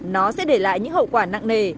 nó sẽ để lại những hậu quả nặng nề